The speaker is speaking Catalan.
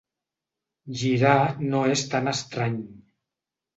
Girar no és tan estrany.